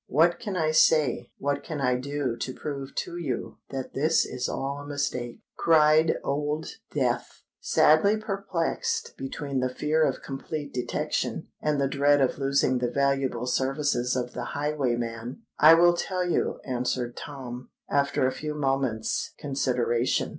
"What can I say—what can I do to prove to you that this is all a mistake?" cried Old Death, sadly perplexed between the fear of complete detection and the dread of losing the valuable services of the highwayman. "I will tell you," answered Tom, after a few moments' consideration.